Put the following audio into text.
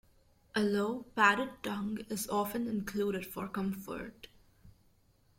A low, padded tongue is often included for comfort.